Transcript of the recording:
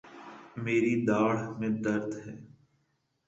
میری داڑھ میں درد ہے